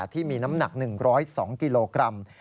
ที่มีน้ำหนัก๑๐๒กิโลกรัม